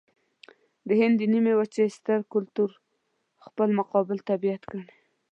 د هند د نيمې وچې ستر کلتور خپل مقابل طبیعت ګڼي.